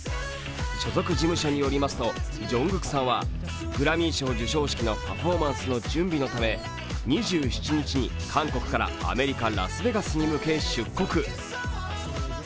所属事務所によりますと、ＪＵＮＧＫＯＯＫさんはグラミー賞授賞式のパフォーマンスの準備のため２７日に韓国からアメリカ・ラスベガスに向け出国。